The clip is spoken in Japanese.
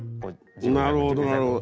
なるほどなるほど。